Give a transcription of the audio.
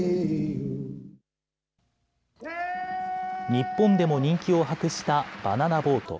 日本でも人気を博したバナナ・ボート。